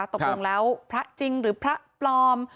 ตกลงแล้วพระจริงหรือพระปลอม